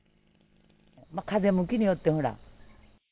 風向きによってほら。